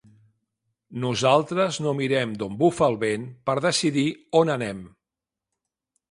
Nosaltres no mirem d’on bufa el vent per decidir on anem.